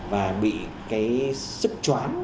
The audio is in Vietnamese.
và bị cái sức chóng